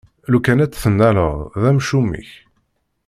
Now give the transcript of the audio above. Lukan ad tt-tennaleḍ, d amcum-ik!